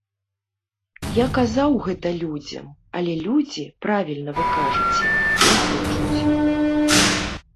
Я казаў гэта людзям, але людзі, правільна вы кажаце, не хочуць.